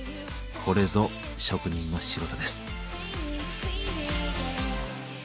これぞ職人の仕事です。